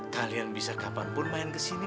kalian bisa kapanpun main kesini